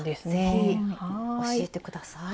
是非教えて下さい。